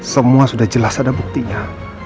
semua sudah jelas ada buktinya